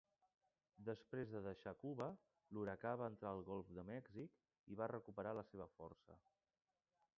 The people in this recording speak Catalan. Després de deixar Cuba, l'huracà va entrar al Golf de Mèxic i va recuperar la seva força.